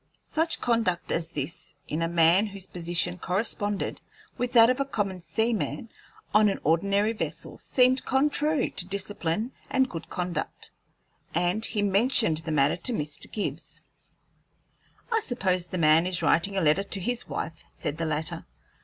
Such conduct as this in a man whose position corresponded with that of a common seaman on an ordinary vessel, seemed contrary to discipline and good conduct, and he mentioned the matter to Mr. Gibbs. "I suppose the man is writing a letter to his wife," said the latter.